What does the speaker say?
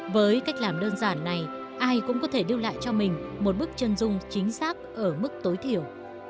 với cách làm đơn giản này ai cũng có thể lưu lại cho mình một bức chân dung chính xác ở mức tối thiểu